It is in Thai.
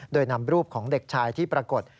โดยนำรูปของเด็กชายที่ปรากฏ